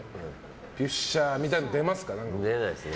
ピュッシャーみたいなの出ますか？